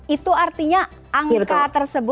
itu artinya angka tersebut